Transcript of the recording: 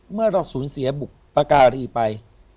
เมื่อหรอกสูญเสียประการอีกไป